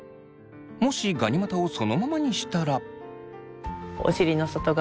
もしガニ股をそのままにしたら。